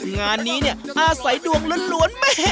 งานนี้อาศัยดวงล้วน